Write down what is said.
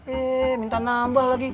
eh minta nambah lagi